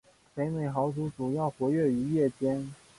北美豪猪主要活跃于夜间。